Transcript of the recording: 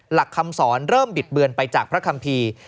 หลักคำสอนเริ่มบิดเบือนไปจากพระคัมภีร์